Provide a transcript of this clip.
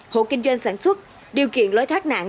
hộ kinh doanh sản xuất điều kiện lối thoát nạn